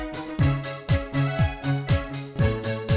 terima kasih ya dok